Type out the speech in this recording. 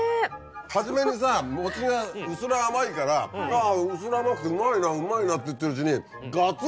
初めにさ餅が薄ら甘いから薄ら甘くてうまいなうまいなっていってるうちに。